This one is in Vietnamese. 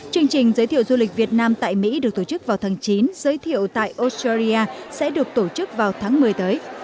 chương trình giới thiệu du lịch việt nam tại mỹ được tổ chức vào tháng chín giới thiệu tại australia sẽ được tổ chức vào tháng một mươi tới